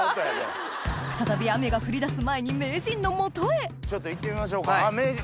再び雨が降りだす前に名人の元へちょっと行ってみましょうかあっ名人！